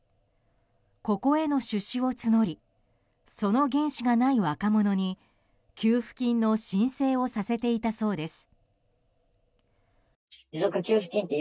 ここへの出資を募りその原資がない若者に給付金の申請をさせていたそうです。